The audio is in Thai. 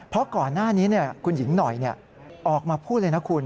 เพราะก่อนหน้านี้คุณหญิงหน่อยออกมาพูดเลยนะคุณ